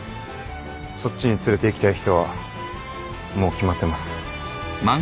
そっちに連れていきたい人はもう決まってます